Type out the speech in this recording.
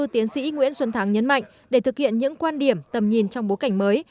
tiến sĩ nguyễn xuân thắng nhấn mạnh để thực hiện những quan điểm tầm nhìn trong bố cảnh mới